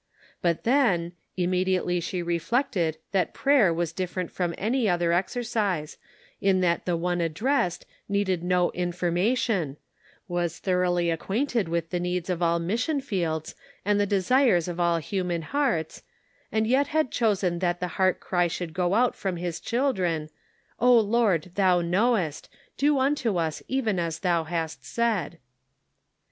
But then, immediately she reflected that prayer was different from any other ex ercise, in that the one addressed needed no information, was thoroughly acquainted with the needs of all mission fields and the desires of all human hearts, and yet had chosen that the heart cry should go out from his children, " O Lord, thou knowest. Do unto us even as thou hast said."